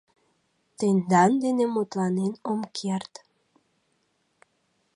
Тендан дене мутланен ом керт